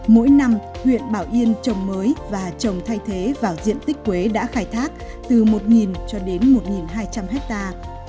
mỗi năm huyện bảo yên trồng mới và trồng thay thế vào diện tích quế đã khai thác từ một cho đến một hai trăm linh hectare